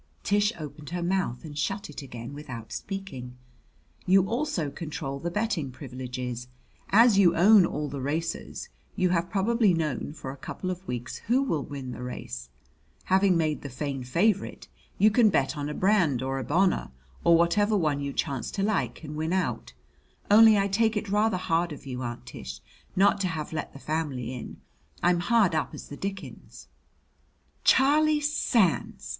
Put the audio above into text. Tish opened her mouth and shut it again without speaking. "You also control the betting privileges. As you own all the racers you have probably known for a couple of weeks who will win the race. Having made the Fein favorite, you can bet on a Brand or a Bonor, or whatever one you chance to like, and win out. Only I take it rather hard of you, Aunt Tish, not to have let the family in. I'm hard up as the dickens." "Charlie Sands!"